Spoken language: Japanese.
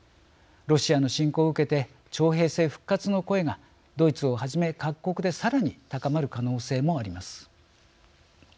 ロシアの侵攻を受けて徴兵制復活の声がドイツをはじめ各国でさらに高まる可能性もあります。